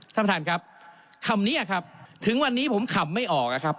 ท่านประธานครับคำนี้ครับถึงวันนี้ผมขำไม่ออกนะครับ